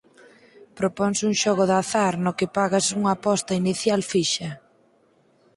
Proponse un xogo de azar no que pagas unha aposta inicial fixa.